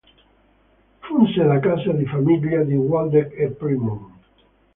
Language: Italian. Funse da casa di famiglia dei Waldeck e Pyrmont.